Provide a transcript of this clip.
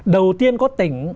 đầu tiên có tỉnh